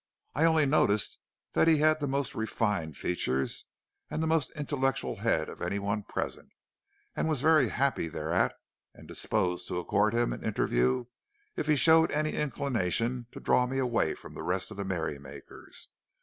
I only noticed that he had the most refined features and the most intellectual head of any one present, and was very happy thereat, and disposed to accord him an interview if he showed any inclination to draw me away from the rest of the merry makers.